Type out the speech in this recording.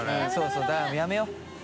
そうだからもうやめよう松田）